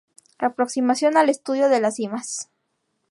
Aproximación al estudio de las cimas.